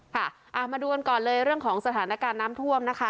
ค่ะมาดูกันก่อนเลยเรื่องของสถานการณ์น้ำท่วมนะคะ